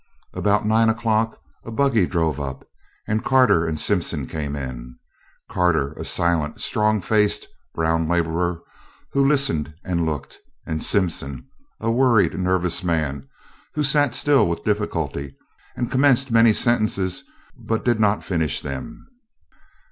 About nine o'clock a buggy drove up and Carter and Simpson came in Carter, a silent, strong faced, brown laborer, who listened and looked, and Simpson, a worried nervous man, who sat still with difficulty and commenced many sentences but did not finish them.